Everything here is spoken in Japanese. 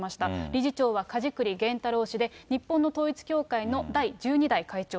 理事長は梶栗玄太郎氏で、日本の統一教会の第１２代会長。